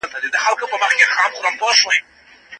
د پلار شتون په ټولنه کي د امن او سکون نښه ده.